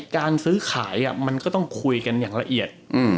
การซื้อขายมันก็ต้องคุยกันอย่างละเอียด